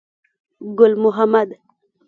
ګل محمد.